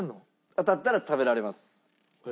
当たったら食べられます。